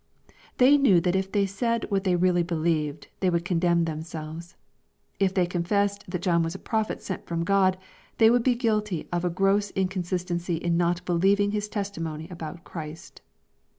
They knew that if they said what they really believed they would condemn themselves. If they confessed that John was a prophet sent from God, they would be guilty of a gross inconsistency in not believing his testimony about Christ.